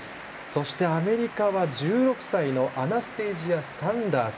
そして、アメリカは１６歳のアナステイジア・サンダース。